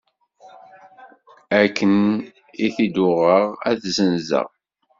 Akken i t-id-uɣeɣ, ad t-zzenzeɣ.